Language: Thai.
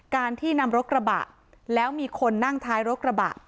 การที่นำรถกระบะแล้วมีคนนั่งท้ายรถกระบะ